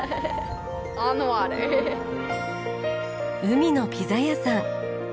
海のピザ屋さん。